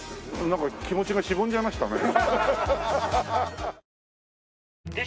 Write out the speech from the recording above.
なんか気持ちがしぼんじゃいましたね。